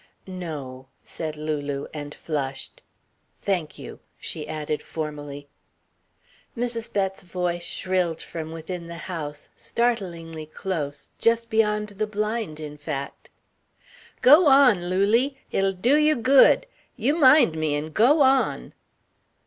"No," said Lulu, and flushed. "Thank you," she added, formally. Mrs. Bett's voice shrilled from within the house, startlingly close just beyond the blind, in fact: "Go on, Lulie. It'll do you good. You mind me and go on."